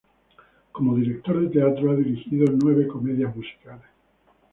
Como director de teatro ha dirigido nueve comedias musicales.